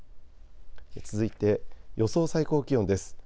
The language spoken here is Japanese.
続いて予想最高気温です。